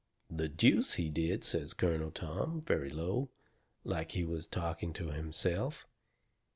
"The deuce he did!" says Colonel Tom, very low, like he was talking to himself.